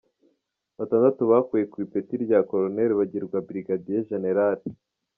Batandatu bakuwe ku ipeti rya Colonel bagirwa ba Brigadier Jenerali.